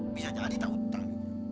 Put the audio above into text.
bisa jadi tak hutang